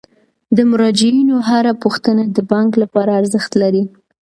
د مراجعینو هره پوښتنه د بانک لپاره ارزښت لري.